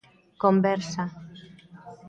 Conversa.